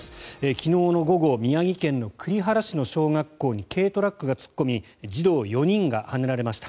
昨日の午後宮城県の栗原市の小学校に軽トラックが突っ込み児童４人がはねられました。